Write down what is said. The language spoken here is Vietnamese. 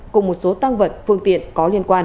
cùng một số tăng vật phương tiện có liên quan